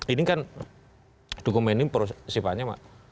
ini kan dokumen ini sifatnya